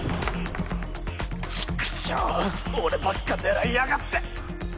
ちくしょう俺ばっか狙いやがって。